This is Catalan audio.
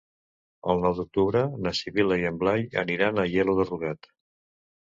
El nou d'octubre na Sibil·la i en Blai aniran a Aielo de Rugat.